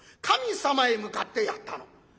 神様へ向かってやったの。